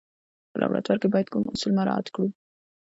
په لابراتوار کې باید کوم اصول مراعات کړو.